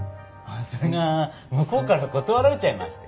それが向こうから断られちゃいまして。